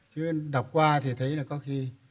chứ đọc qua thì thấy là có khi